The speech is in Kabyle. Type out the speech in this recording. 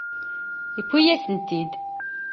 Yuwi-asent-tent-id.